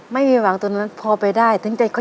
ไม่มีหวังตัวนั้นพอไปได้